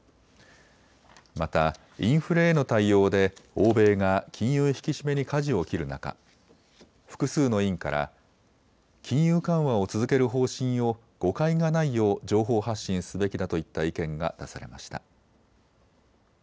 また、インフレへの対応で欧米が金融引き締めにかじを切る中、複数の委員から金融緩和を続ける方針を誤解がないよう情報発信すべきだといった意見が出されました。